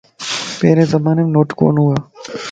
پھرين زمانيم نوٽ ڪون ھوا